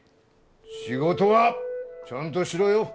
仕事はちゃんとしろよ！